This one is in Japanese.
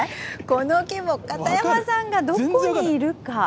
この規模、片山さんがどこにいるか。